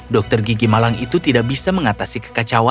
dokter gigi malang itu tidak bisa mengatasi kekacauan